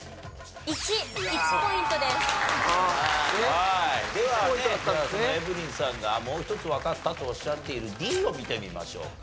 はいではねそのエブリンさんがもう一つわかったとおっしゃっているＤを見てみましょうか。